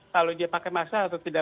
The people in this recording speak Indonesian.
kalau dia pakai masker atau tidak